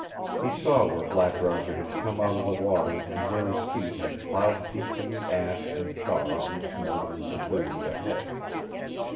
He saw where Black Roger had come out of the water and where his feet had plowed deep in the ash and char and smoldering debris ahead.